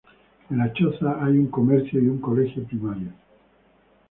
En La Choza hay un comercio y un colegio primario.